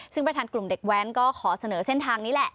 ซึ่งประธานกลุ่มเด็กแว้นก็ขอเสนอเส้นทางนี้แหละ